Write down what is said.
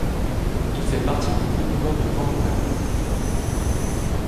Il fait partie du groupement de Bangoulap.